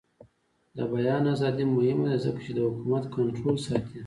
د بیان ازادي مهمه ده ځکه چې د حکومت کنټرول ساتي.